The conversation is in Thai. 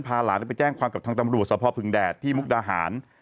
หลานไปแจ้งความกับทางตำรวจสภพึงแดดที่มุกดาหาร